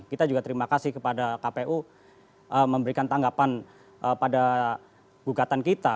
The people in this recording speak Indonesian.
kita juga terima kasih kepada kpu memberikan tanggapan pada gugatan kita